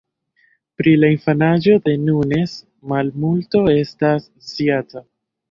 Pri la infanaĝo de Nunes malmulto estas sciata.